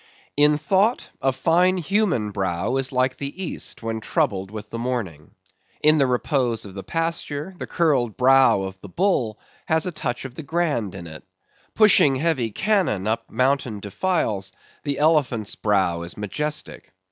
In thought, a fine human brow is like the East when troubled with the morning. In the repose of the pasture, the curled brow of the bull has a touch of the grand in it. Pushing heavy cannon up mountain defiles, the elephant's brow is majestic.